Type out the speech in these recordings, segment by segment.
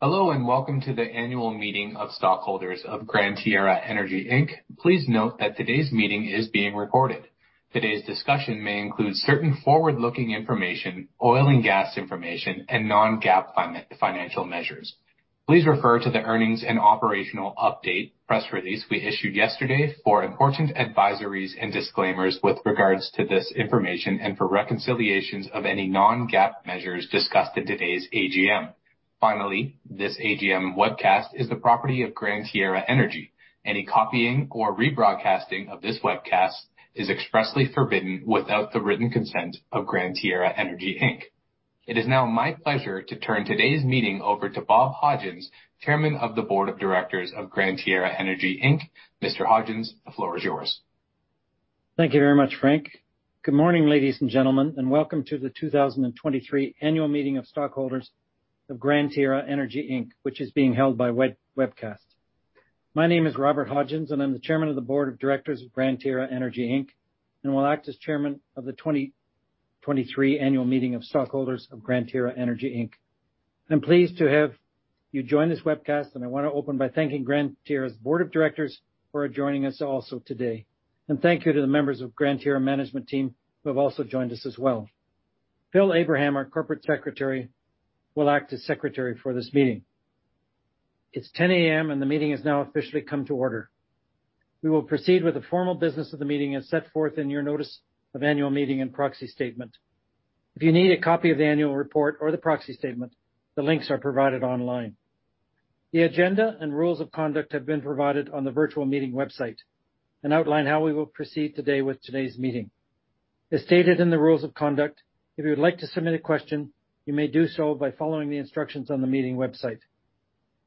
Hello, welcome to the annual meeting of stockholders of Gran Tierra Energy Inc. Please note that today's meeting is being recorded. Today's discussion may include certain forward-looking information, oil and gas information, and non-GAAP financial measures. Please refer to the earnings and operational update press release we issued yesterday for important advisories and disclaimers with regards to this information, and for reconciliations of any non-GAAP measures discussed in today's AGM. Finally, this AGM webcast is the property of Gran Tierra Energy. Any copying or rebroadcasting of this webcast is expressly forbidden without the written consent of Gran Tierra Energy Inc. It is now my pleasure to turn today's meeting over to Bob Hodgins, Chairman of the Board of Directors of Gran Tierra Energy Inc. Mr. Hodgins, the floor is yours. Thank you very much, Frank. Good morning, ladies and gentlemen, and welcome to the 2023 annual meeting of stockholders of Gran Tierra Energy Inc., which is being held by webcast. My name is Robert Hodgins, and I'm the Chairman of the Board of Directors of Gran Tierra Energy Inc., and will act as chairman of the 2023 annual meeting of stockholders of Gran Tierra Energy Inc. I'm pleased to have you join this webcast, and I wanna open by thanking Gran Tierra's Board of Directors for joining us also today. Thank you to the members of Gran Tierra management team who have also joined us as well. Phillip Abraham, our Corporate Secretary, will act as secretary for this meeting. It's 10:00 A.M., and the meeting has now officially come to order. We will proceed with the formal business of the meeting as set forth in your notice of annual meeting and proxy statement. If you need a copy of the annual report or the proxy statement, the links are provided online. The agenda and rules of conduct have been provided on the virtual meeting website, and outline how we will proceed today with today's meeting. As stated in the rules of conduct, if you would like to submit a question, you may do so by following the instructions on the meeting website.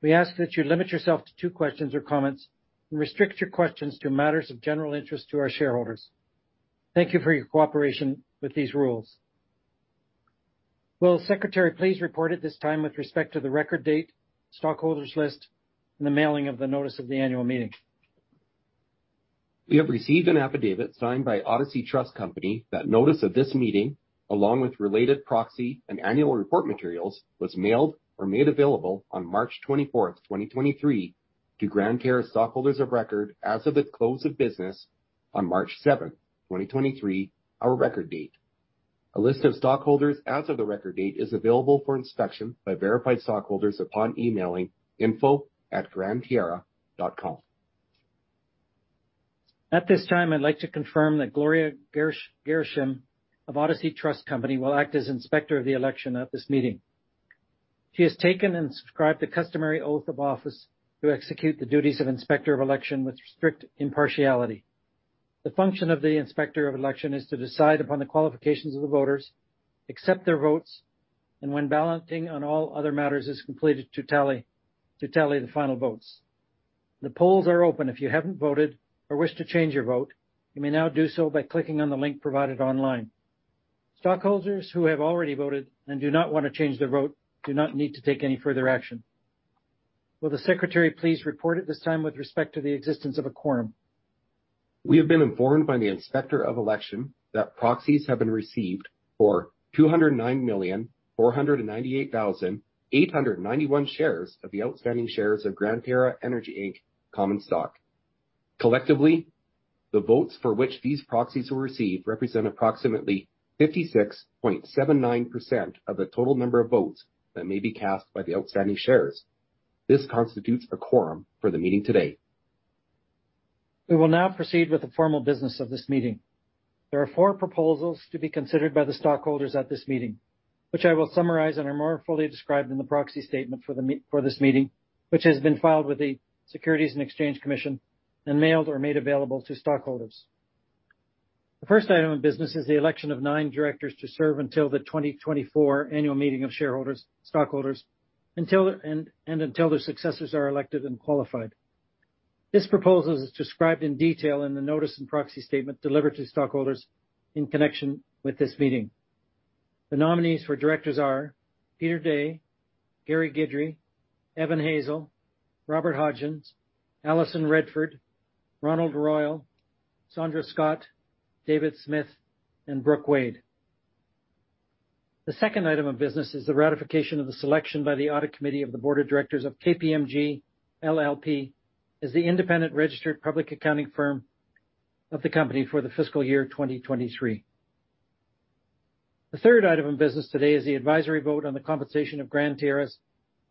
We ask that you limit yourself to two questions or comments, and restrict your questions to matters of general interest to our shareholders. Thank you for your cooperation with these rules. Will the secretary please report at this time with respect to the record date, stockholders list, and the mailing of the notice of the annual meeting? We have received an affidavit signed by Odyssey Trust Company that notice of this meeting, along with related proxy and annual report materials, was mailed or made available on March 24, 2023 to Gran Tierra stockholders of record as of the close of business on March 7, 2023, our record date. A list of stockholders as of the record date is available for inspection by verified stockholders upon emailing info@grantierra.com. At this time, I'd like to confirm that Gloria Gers-Gershen of Odyssey Trust Company will act as Inspector of the election at this meeting. She has taken and subscribed the customary oath of office to execute the duties of Inspector of Election with strict impartiality. The function of the Inspector of Election is to decide upon the qualifications of the voters, accept their votes, and when balloting on all other matters is completed, to tally the final votes. The polls are open. If you haven't voted or wish to change your vote, you may now do so by clicking on the link provided online. Stockholders who have already voted and do not wanna change their vote do not need to take any further action. Will the secretary please report at this time with respect to the existence of a quorum. We have been informed by the Inspector of Election that proxies have been received for 209,498,891 shares of the outstanding shares of Gran Tierra Energy Inc. common stock. Collectively, the votes for which these proxies were received represent approximately 56.79% of the total number of votes that may be cast by the outstanding shares. This constitutes a quorum for the meeting today. We will now proceed with the formal business of this meeting. There are four proposals to be considered by the stockholders at this meeting, which I will summarize and are more fully described in the proxy statement for this meeting, which has been filed with the Securities and Exchange Commission and mailed or made available to stockholders. The first item of business is the election of nine directors to serve until the 2024 annual meeting of shareholders, stockholders, and until their successors are elected and qualified. This proposal is described in detail in the notice and proxy statement delivered to stockholders in connection with this meeting. The nominees for directors are Peter Dey, Gary Guidry, Evan Hazell, Robert Hodgins, Alison Redford, Ronald Royal, Sondra Scott, David Smith, and Brooke Wade. The second item of business is the ratification of the selection by the Audit Committee of the Board of Directors of KPMG LLP as the independent registered public accounting firm of the company for the fiscal year 2023. The third item of business today is the advisory vote on the compensation of Gran Tierra's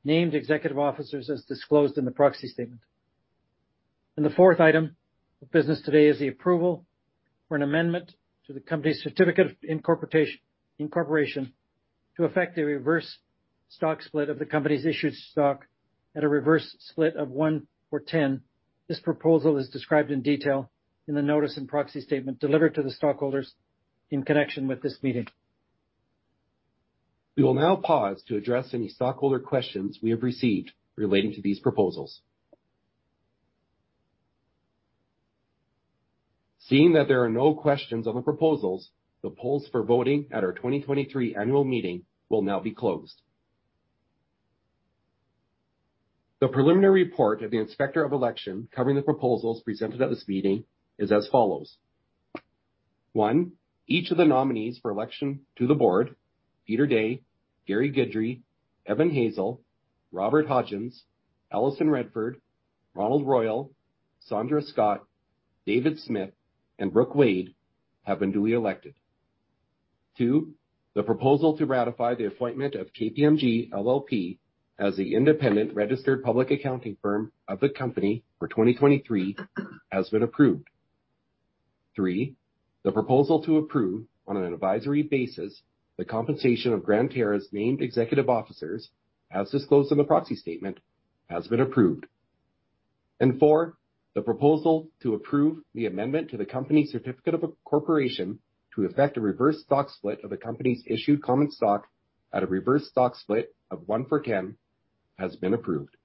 named executive officers as disclosed in the proxy statement. The fourth item of business today is the approval for an amendment to the company's certificate of incorporation to effect a reverse stock split of the company's issued stock at a reverse split of one or 10. This proposal is described in detail in the notice and proxy statement delivered to the stockholders in connection with this meeting. We will now pause to address any stockholder questions we have received relating to these proposals. Seeing that there are no questions on the proposals, the polls for voting at our 2023 Annual Meeting will now be closed. The preliminary report of the Inspector of Election covering the proposals presented at this meeting is as follows. One, each of the nominees for election to the Board, Peter Dey, Gary Guidry, Evan Hazell, Robert Hodgins, Alison Redford, Ronald Royal, Sondra Scott, David Smith, and Brooke Wade, have been duly elected. Two, the proposal to ratify the appointment of KPMG LLP as the independent registered public accounting firm of the Company for 2023 has been approved. Three, the proposal to approve on an advisory basis the compensation of Gran Tierra's named executive officers as disclosed in the proxy statement has been approved. 4, the proposal to approve the amendment to the company's certificate of incorporation to effect a reverse stock split of the company's issued common stock at a reverse stock split of one for 10 has been approved.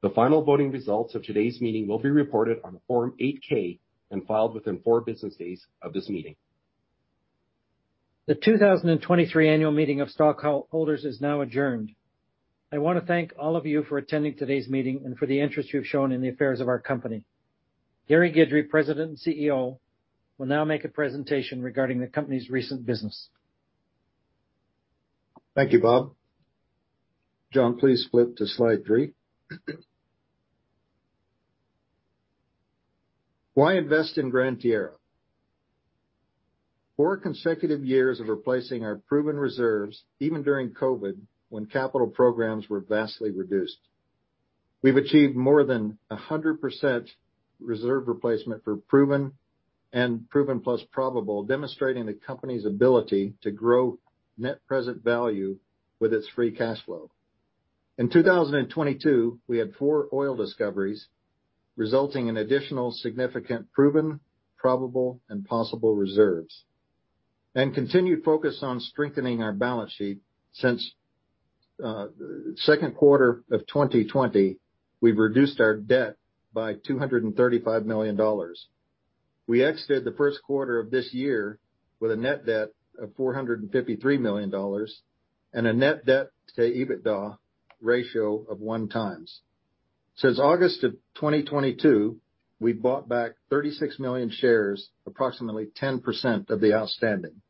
The final voting results of today's meeting will be reported on a Form 8-K and filed within four business days of this meeting. The 2023 annual meeting of stockholders is now adjourned. I wanna thank all of you for attending today's meeting and for the interest you've shown in the affairs of our company. Gary Guidry, President and CEO, will now make a presentation regarding the company's recent business. Thank you, Bob. John, please flip to slide three. Why invest in Gran Tierra? four consecutive years of replacing our proven reserves, even during COVID when capital programs were vastly reduced. We've achieved more than 100% reserve replacement for proven and proven plus probable, demonstrating the company's ability to grow net present value with its free cash flow. In 2022, we had four oil discoveries, resulting in additional significant proven, probable, and possible reserves. Continued focus on strengthening our balance sheet. Since second quarter of 2020, we've reduced our debt by $235 million. We exited the first quarter of this year with a net debt of $453 million and a net debt to EBITDA ratio of 1x. Since August 2022, we bought back 36 million shares, approximately 10% of the outstanding.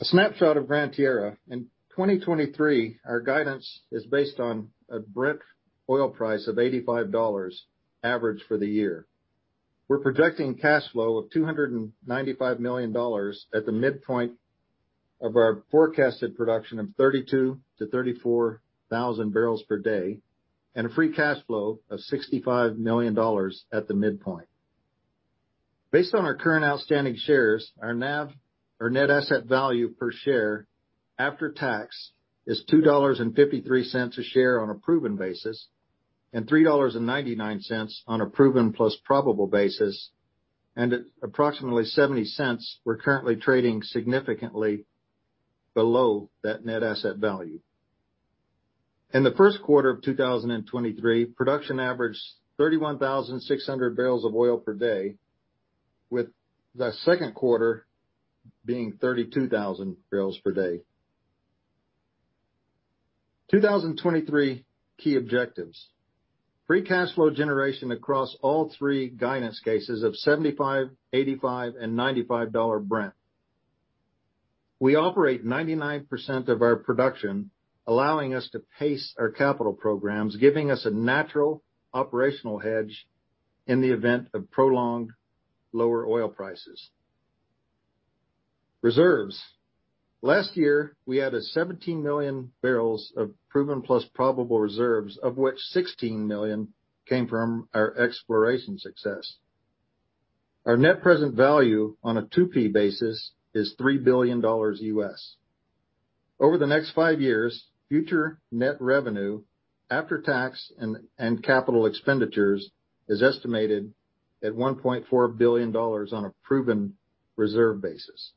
A snapshot of Gran Tierra. In 2023, our guidance is based on a Brent oil price of $85 average for the year. We're projecting cash flow of $295 million at the midpoint of our forecasted production of 32,000-34,000 bbl per day, and a free cash flow of $65 million at the midpoint. Based on our current outstanding shares, our NAV, our net asset value per share after tax is $2.53 a share on a proven basis, and $3.99 on a proven plus probable basis. At approximately $0.70, we're currently trading significantly below that net asset value. In the first quarter of 2023, production averaged 31,600 bbl of oil per day, with the second quarter being 32,000 bbl per day. 2023 key objectives. Free cash flow generation across all three guidance cases of $75, $85, and $95 Brent. We operate 99% of our production, allowing us to pace our capital programs, giving us a natural operational hedge in the event of prolonged lower oil prices. Reserves. Last year, we had 17 million bbl of proven plus probable reserves, of which 16 million came from our exploration success. Our net present value on a 2P basis is $3 billion. Over the next five years, future net revenue after tax and capital expenditures is estimated at $1.4 billion on a proven reserve basis.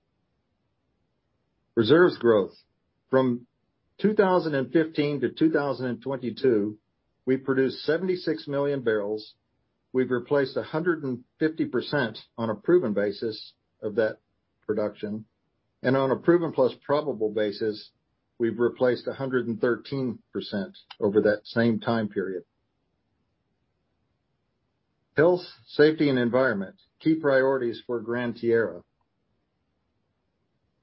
Reserves growth. From 2015 to 2022, we produced 76 million bbl. We've replaced 150% on a proven basis of that production, and on a proven plus probable basis, we've replaced 113% over that same time period. Health, safety, and environment, key priorities for Gran Tierra.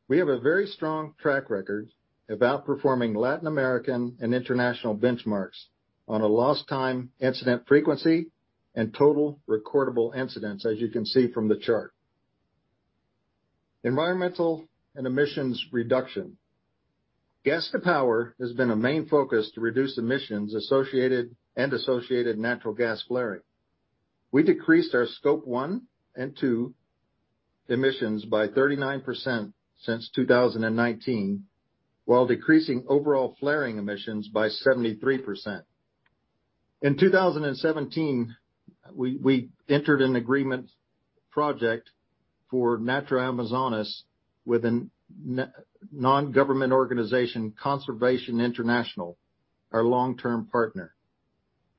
We have a very strong track record about performing Latin American and international benchmarks on a lost time incident frequency and total recordable incidents, as you can see from the chart. Environmental and emissions reduction. Gas to power has been a main focus to reduce emissions and associated natural gas flaring. We decreased our Scope one and two emissions by 39% since 2019, while decreasing overall flaring emissions by 73%. In 2017, we entered an agreement project for NaturAmazonas with a non-government organization, Conservation International, our long-term partner.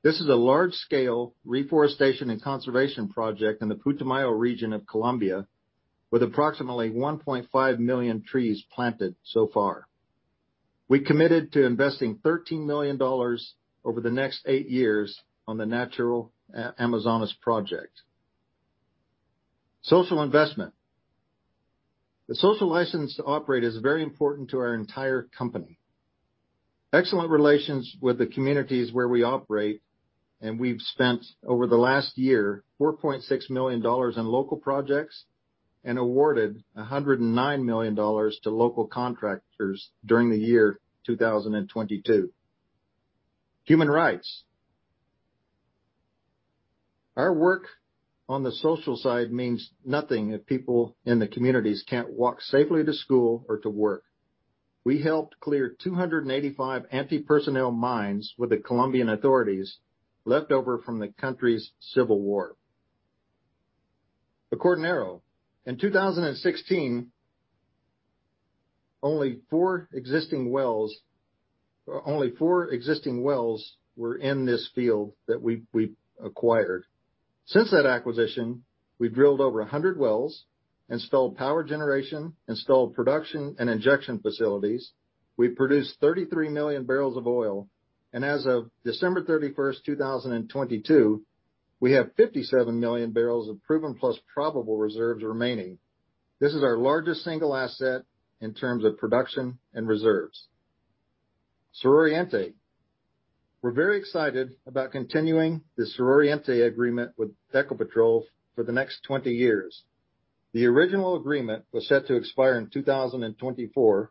This is a large-scale reforestation and conservation project in the Putumayo region of Colombia, with approximately 1.5 million trees planted so far. We committed to investing $13 million over the next eight years on the NaturAmazonas project. Social investment. The social license to operate is very important to our entire company. Excellent relations with the communities where we operate. We've spent over the last year, $4.6 million in local projects and awarded $109 million to local contractors during the year 2022. Human rights. Our work on the social side means nothing if people in the communities can't walk safely to school or to work. We helped clear 285 anti-personnel mines with the Colombian authorities left over from the country's civil war. Acordeonero. In 2016, only four existing wells were in this field that we acquired. Since that acquisition, we've drilled over 100 wells, installed power generation, installed production and injection facilities. We produced 33 million bbl of oil, and as of December 31st, 2022, we have 57 million bbl of proven plus probable reserves remaining. This is our largest single asset in terms of production and reserves. Sur Oriente. We're very excited about continuing the Sur Oriente agreement with Ecopetrol for the next 20 years. The original agreement was set to expire in 2024.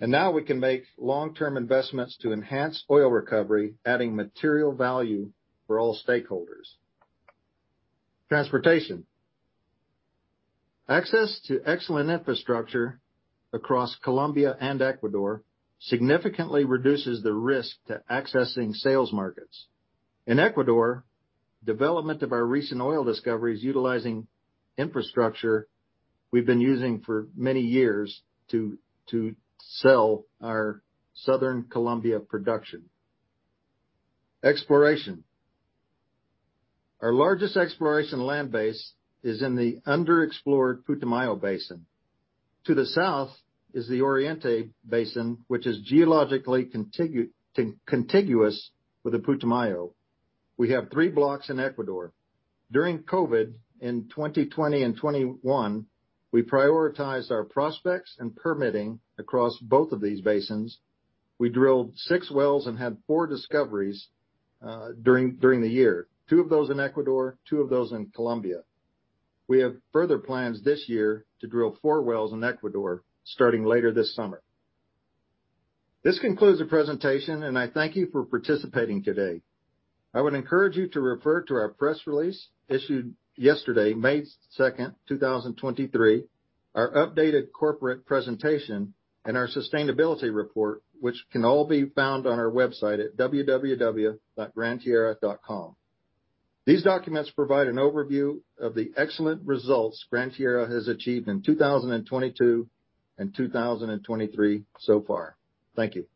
Now we can make long-term investments to enhance oil recovery, adding material value for all stakeholders. Transportation. Access to excellent infrastructure across Colombia and Ecuador significantly reduces the risk to accessing sales markets. In Ecuador, development of our recent oil discoveries utilizing infrastructure we've been using for many years to sell our southern Colombia production. Exploration. Our largest exploration land base is in the underexplored Putumayo Basin. To the south is the Oriente Basin, which is geologically contiguous with the Putumayo. We have three blocks in Ecuador. During COVID, in 2020 and '21, we prioritized our prospects and permitting across both of these basins. We drilled six wells and had four discoveries during the year. Two of those in Ecuador, two of those in Colombia. We have further plans this year to drill four wells in Ecuador starting later this summer. This concludes the presentation. I thank you for participating today. I would encourage you to refer to our press release issued yesterday, May 2nd, 2023, our updated corporate presentation, and our sustainability report, which can all be found on our website at www.grantierra.com. These documents provide an overview of the excellent results Gran Tierra has achieved in 2022 and 2023 so far. Thank you.